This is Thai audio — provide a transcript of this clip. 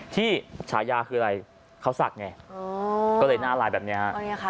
ที่ฉายาคืออะไรเขาศักดิ์ไงอ๋อก็เลยน่ารายแบบเนี้ยอันนี้ค่ะ